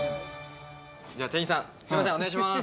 じゃあ店員さんすいませんお願いします